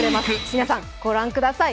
皆さんご覧ください。